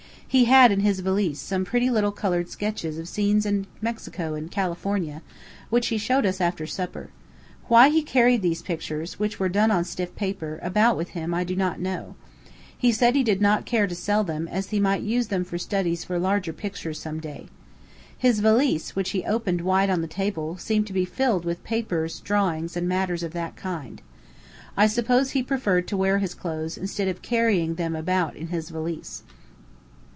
He had in his valise some very pretty little colored sketches of scenes in Mexico and California, which he showed us after supper. Why he carried these pictures which were done on stiff paper about with him I do not know. He said he did not care to sell them, as he might use them for studies for larger pictures some day. His valise, which he opened wide on the table, seemed to be filled with papers, drawings, and matters of that kind. I suppose he preferred to wear his clothes, instead of carrying them about in his valise.